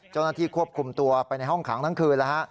เจ้าหน้าที่ควบคุมตัวไปในห้องขังทั้งคืนแล้วฮะ